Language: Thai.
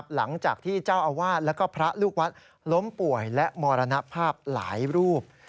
หลังจากที่เจ้าอาวาสแล้วก็พระลูกวัดล้มป่วยและมรณภาพหลายรูป